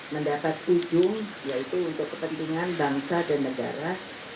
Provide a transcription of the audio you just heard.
mendapat ujung yaitu untuk kepentingan bangsa dan negara